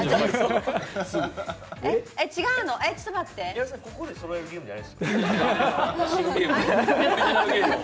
矢田さん、ここでそろえるゲームじゃないですよ。